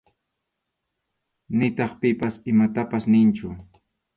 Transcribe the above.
Nitaq pipas imatapas niqchu.